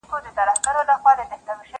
شیرني نه ده دا زهر دي پلارجانه.